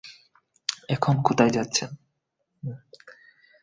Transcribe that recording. এখন কোথায় যাচ্ছেন?